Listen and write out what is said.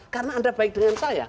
karena anda baik dengan saya